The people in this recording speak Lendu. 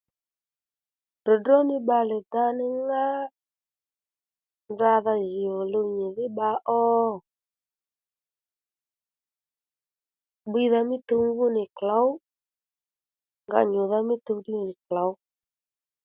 Ddròddró ní bbalè da ní ŋá nzadha jì ò luw nyìdhí bba ó bbiydha mí tuw ngú nì klǒw nga nyùdha mí tuw ddí nì klǒw